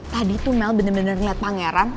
tadi tuh mel bener bener ngeliat pangeran